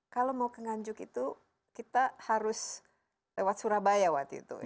kalau mau ke nganjuk itu kita harus lewat surabaya waktu itu